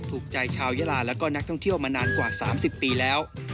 ถูกใจชาวยาลาแล้วก็นักท่องเที่ยวมานานกว่า๓๐ปีแล้ว